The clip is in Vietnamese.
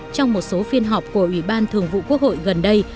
trong một số phiên họp của ủy ban thường vụ quốc hội gần đây